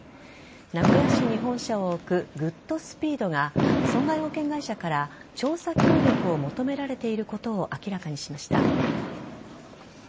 名古屋市に本社を置くグッドスピードが損害保険会社から調査協力を求められていることを明らかにしました。